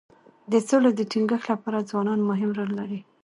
د سولې د ټینګښت لپاره ځوانان مهم رول لري.